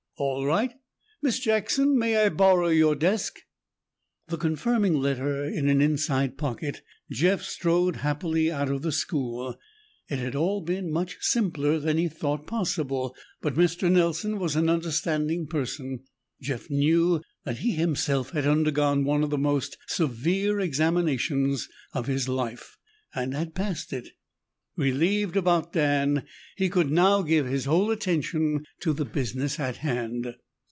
"All right. Miss Jackson, may I borrow your desk?" The confirming letter in an inside pocket, Jeff strode happily out of the school. It had all been much simpler than he had thought possible, but Mr. Nelson was an understanding person. Jeff knew that he himself had undergone one of the most severe examinations of his life and had passed it. Relieved about Dan, he could now give his whole attention to the business at hand.